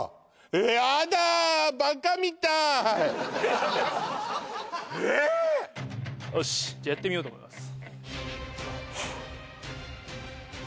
やだええー！？よしじゃあやってみようと思います